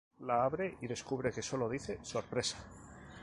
La abre y descubre que solo dice "¡Sorpresa!".